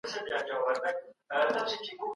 پانګه د مهارت د کموالي له امله ښه نه دوران کېږي.